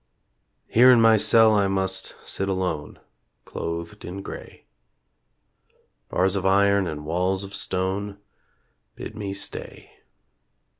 Here in my cell I must sit alone, Clothed in grey. Bars of iron and walls of stone Bid me stay.